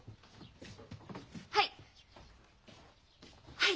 はい！